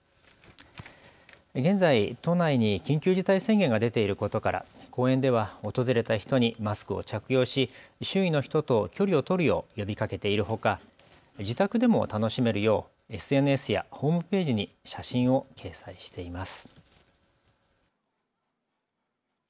現在、都内に緊急事態宣言が出ていることから、公園では訪れた人にマスクを着用し周囲の人と距離を取るよう呼びかけているほか自宅でも楽しめるようＳＮＳやホームページに写真を掲載しています。